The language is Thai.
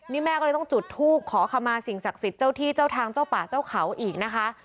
นี่แม่ก็เลยต้องจุดทูบขอขมาสิ่งศักดิ์สิทธิ์เจ้าที่เจ้าทางเจ้าป่าเจ้าเขาอีกนะคะ